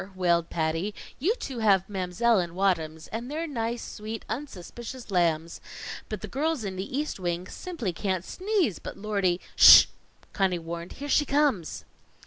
wailed Patty. "You two have Mam'selle and Waddams, and they're nice, sweet, unsuspicious lambs; but the girls in the East Wing simply can't sneeze but Lordy " "Sh!" Conny warned. "Here she comes."